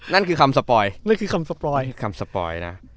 นั่นคือคำสปอย